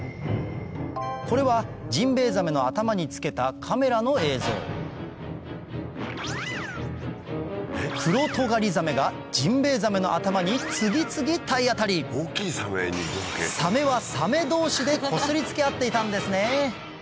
これはジンベエザメの頭につけたカメラの映像クロトガリザメがジンベエザメの頭に次々体当たりサメはサメ同士でこすりつけ合っていたんですね